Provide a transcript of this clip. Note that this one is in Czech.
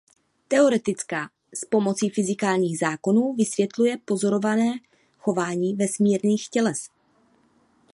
Teoretická s pomocí fyzikálních zákonů vysvětluje pozorované chování vesmírných těles.